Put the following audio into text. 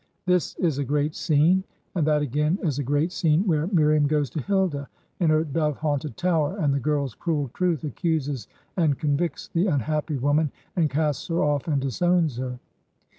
This is a great scene ; and that again is a great scene where Miriam goes to Hilda in her dove haunted tower, and the girl's cruel truth accuses and convicts the unhappy woman, and casts her ofif and disowns her.